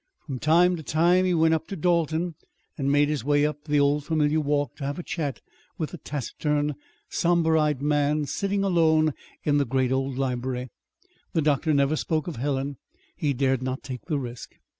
From time to time he went up to Dalton and made his way up the old familiar walk to have a chat with the taciturn, somber eyed man sitting alone in the great old library. The doctor never spoke of Helen. He dared not take the risk.